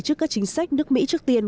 trước các chính sách nước mỹ trước tiên